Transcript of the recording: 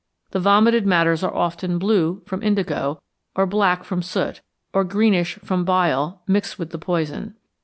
The vomited matters are often blue from indigo, or black from soot, or greenish from bile, mixed with the poison.